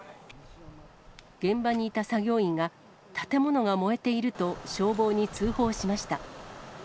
現場にいた作業員が、建物が燃えていると消防に通報しました。